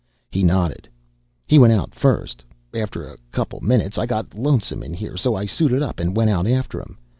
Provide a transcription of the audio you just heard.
He nodded. "He went out first. After a couple minutes, I got lonesome in here, so I suited up and went out after him.